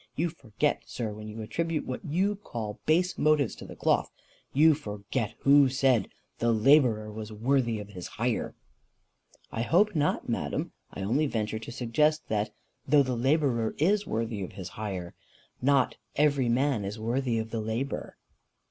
You forget, sir, when you attribute what you call base motives to the cloth you forget who said the labourer was worthy of his hire." "I hope not, madam. I only venture to suggest that, though the labourer is worthy of his hire, not every man is worthy of the labour."